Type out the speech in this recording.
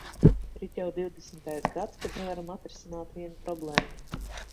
Rit jau divdesmitais gads, kad nevaram atrisināt vienu problēmu.